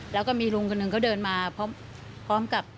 แล้วก็มีลุงคนหนึ่งเขาเดินมาพร้อมกับ